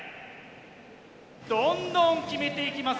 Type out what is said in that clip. どんどん決めていきます